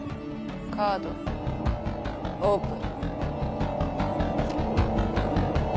カードオープン。